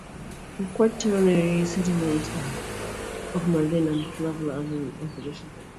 The Quaternary sediments are of marine and fluvial alluvium of recent age.